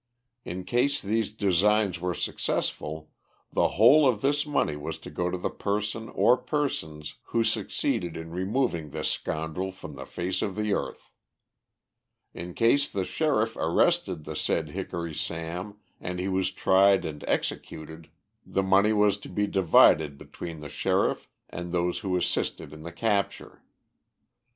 In case these designs were successful, the whole of this money was to go to the person or persons who succeeded in removing this scoundrel from the face of the earth. In case the Sheriff arrested the said Hickory Sam and he was tried and executed, the money was to be divided between the Sheriff and those who assisted in the capture.